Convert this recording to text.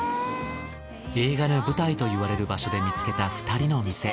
映画の舞台といわれる場所で見つけた２人の店。